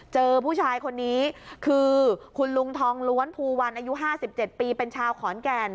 เจอผู้ชายคนนี้คือคุณลุงทองล้วนภูวันอายุ๕๗ปีเป็นชาวขอนแก่น